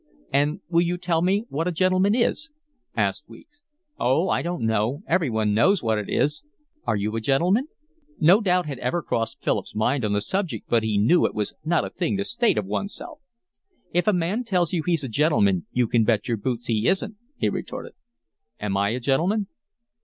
"And will you tell me what a gentleman is?" asked Weeks. "Oh, I don't know; everyone knows what it is." "Are you a gentleman?" No doubt had ever crossed Philip's mind on the subject, but he knew it was not a thing to state of oneself. "If a man tells you he's a gentleman you can bet your boots he isn't," he retorted. "Am I a gentleman?"